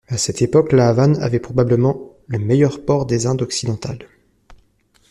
À cette époque La Havane avait probablement le meilleur port des Indes occidentales.